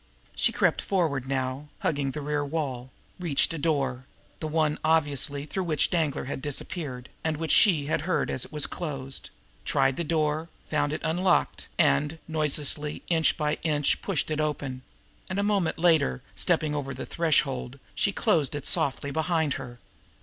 She crept forward now, hugging the rear wall, reached a door the one, obviously, through which Danglar had disappeared, and which she had heard as it was closed tried the door, found it unlocked, and, noiselessly, inch by inch, pushed it open; and a moment later, stepping over the threshold, she closed it softly behind her.